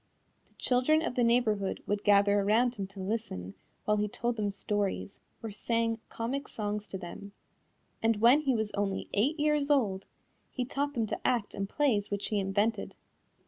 The children of the neighborhood would gather around him to listen while he told them stories or sang comic songs to them, and when he was only eight years old he taught them to act in plays which he invented.